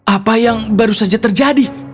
apa yang baru saja terjadi